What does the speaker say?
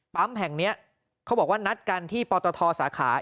แห่งนี้เขาบอกว่านัดกันที่ปตทสาขา